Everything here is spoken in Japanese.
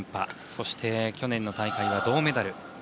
そして去年の大会は銅メダル。